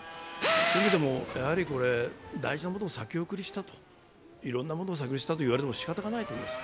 そういう意味でも、大事なことを先送りしたと、いろんなものを先送りしたといわれてもしかたがないと思います。